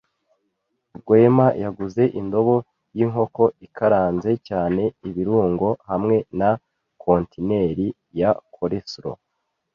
Rwema yaguze indobo yinkoko ikaranze cyane ibirungo hamwe na kontineri ya coleslaw.